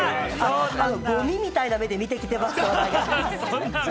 鬼みたいな目で見てきていますが。